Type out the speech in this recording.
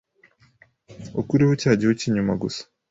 ukureho cya gihu cy’inyuma gusa